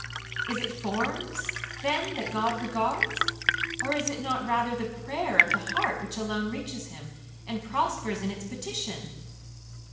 is it forms then that God regards? or is it not rather the prayer of the heart which alone reaches him, and prospers in its petition?